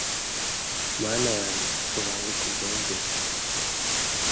Mana yanjye ubanguke undengere